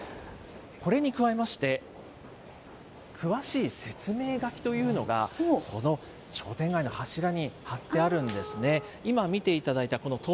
これに加えまして、詳しい説明書きというのが、この商店街の柱に貼ってあるんですね。